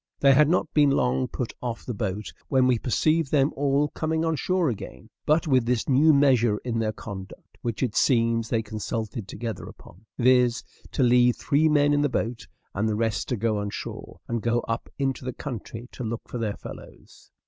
They had not been long put off the boat, when we perceived them all coming on shore again; but with this new measure in their conduct, which it seems they consulted together upon, viz., to leave three men in the boat, and the rest to go on shore, and go up into the country to look for their fellows.